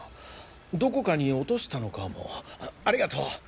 どこかに落としたのかもありがとう。